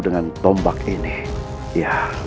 dengan tombak ini